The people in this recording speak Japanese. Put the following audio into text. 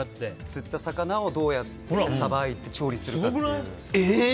釣った魚をどうやってさばいて調理するかという。